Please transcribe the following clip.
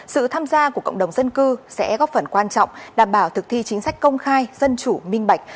sự tham gia của cộng đồng dân cư sẽ góp phần quan trọng đảm bảo thực thi chính sách công khai dân chủ minh bạch